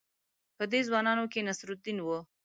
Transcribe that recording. په دې ځوانانو کې نصرالدین وو.